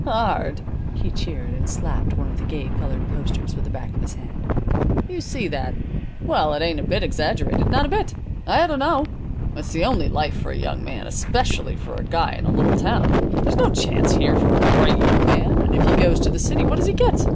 "Hard!" he jeered, and slapped one of the gay colored posters with the back of his hand. "You see that! Well, it ain't a bit exaggerated. Not a bit. I ought to know. It's the only life for a young man, especially for a guy in a little town. There's no chance here for a bright young man, and if he goes to the city, what does he get?